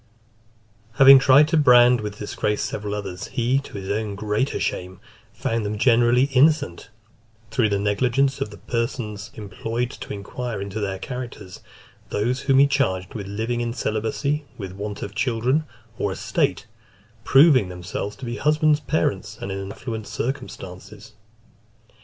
Having tried to brand with disgrace several others, he, to his own greater shame, found them generally innocent, through the negligence of the persons employed to inquire into their characters; those whom he charged with living in celibacy, with want of children, or estate, proving themselves to be husbands, parents, and in affluent circumstances.